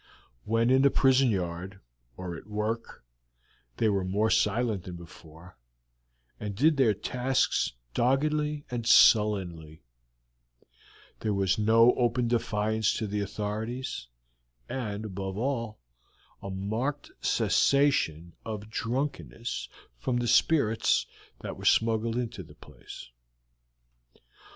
When in the prison yard or at work they were more silent than before, and did their tasks doggedly and sullenly; there was no open defiance to the authorities, and, above all, a marked cessation of drunkenness from the spirits smuggled into the place.